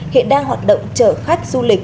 hiện đang hoạt động chở khách du lịch